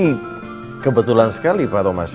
ini kebetulan sekali pak thomas